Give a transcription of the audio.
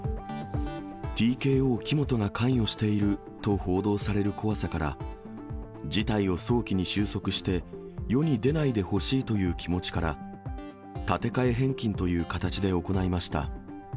ＴＫＯ・木本が関与していると報道される怖さから、事態を早期に終息して、世に出ないでほしいという気持ちから、立て替え返金という形で行いました。